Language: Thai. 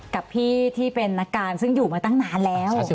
กับพี่ที่เป็นนักการซึ่งอยู่มาตั้งนานแล้ว